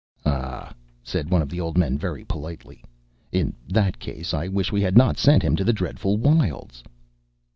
"Ah!" said one of the old men very politely, "in that case I wish we had not sent him to the dreadful wilds!"